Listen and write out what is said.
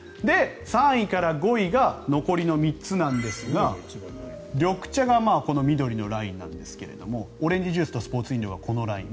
３位から５位が残りの３つなんですが緑茶が緑のラインなんですがオレンジジュースとスポーツ飲料がこのライン。